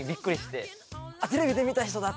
テレビで見た人だ！